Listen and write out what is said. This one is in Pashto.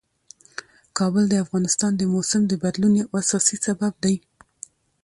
کابل د افغانستان د موسم د بدلون یو اساسي سبب دی.